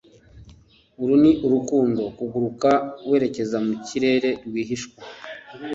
uru ni urukundo: kuguruka werekeza mu kirere rwihishwa